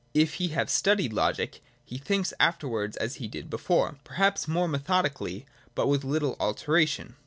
If he have studied Logic, he thinks afterwards as he did before, perhaps more methodically, but with Uttle alteration.